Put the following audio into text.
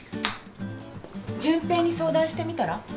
淳平に相談してみたら？